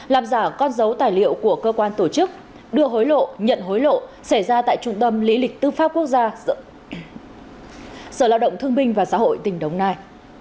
làm giả con dấu tài liệu của cơ quan tổ chức đưa hối lộ nhận hối lộ xảy ra tại trung tâm lý lịch tư pháp quốc gia sở lao động thương binh và xã hội tỉnh đồng nai